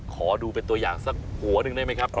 ขอดูเป็นตัวอย่างสักหัวหนึ่งได้ไหมครับ